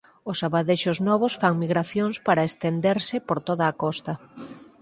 Os abadexos novos fan migracións para estenderse por toda a costa.